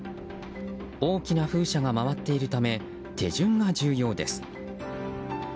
大きな風車が回っているため手順が重要です。